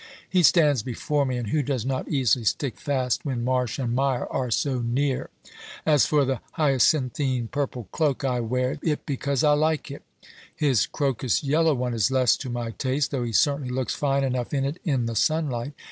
He stands before me, and who does not easily stick fast when marsh and mire are so near? As for the hyacinthine purple cloak, I wear it because I like it. His crocus yellow one is less to my taste, though he certainly looks fine enough in it in the sunlight.